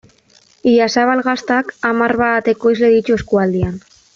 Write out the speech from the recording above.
Idiazabal Gaztak hamar bat ekoizle ditu eskualdean.